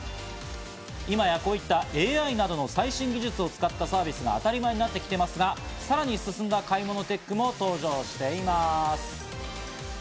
今や、こういったＡＩなどの最新技術を使ったサービスが当たり前になってきていますが、さらに進んだ買い物テックも登場しています。